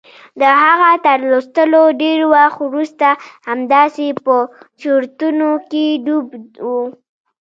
د هغه تر لوستلو ډېر وخت وروسته همداسې په چورتونو کې ډوب و.